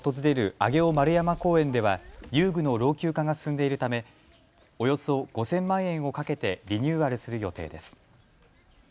上尾丸山公園では遊具の老朽化が進んでいるためおよそ５０００万円をかけてリニューアルする予定です。